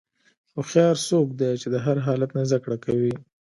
هوښیار څوک دی چې د هر حالت نه زدهکړه کوي.